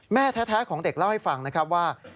แม่แท้ของเด็กเล่าให้ฟังนะครับว่า